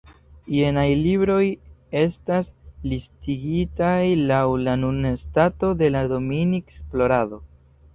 Jenaj libroj estas listigitaj lau la nuna stato de la Dominik-esplorado.